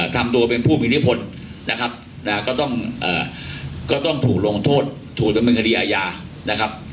ทำตัวเป็นผู้มีอิทธิพลนะครับก็ต้องถูกลงโทษถูกดำเนินคดีอาญานะครับ